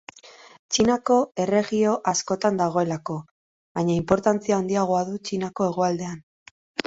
Txinako erregio askotan dagoelako, baina inportantzia handiagoa du Txinako hegoaldean.